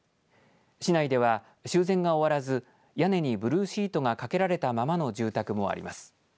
市内では修繕が終わらず屋根にブルーシートが掛けられたままの住宅もあります。